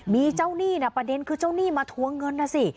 มีเจ้าหนี้นะประเด็นคือเจ้าหนี้มาทวงเงินนะสิ